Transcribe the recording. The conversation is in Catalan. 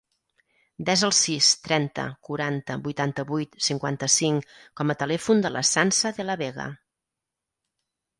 Desa el sis, trenta, quaranta, vuitanta-vuit, cinquanta-cinc com a telèfon de la Sança De La Vega.